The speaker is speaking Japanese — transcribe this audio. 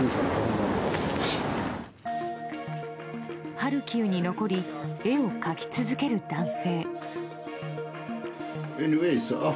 ハルキウに残り絵を描き続ける男性。